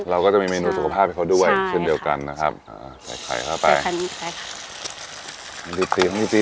เราก็จะมีเมนูสุขภาพให้เขาด้วยเช่นเดียวกันนะครับอ่าใส่ไข่เข้าไป